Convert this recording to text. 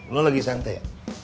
lo lagi santai ya